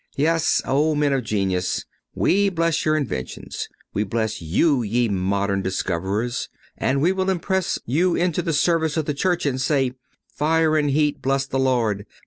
Yes, O men of genius, we bless your inventions; we bless you, ye modern discoveries; and we will impress you into the service of the Church and say: "Fire and heat bless the Lord.